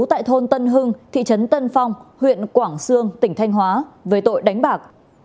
tại thôn tân hưng thị trấn tân phong huyện quảng xương tỉnh thanh hóa với tội đánh bạc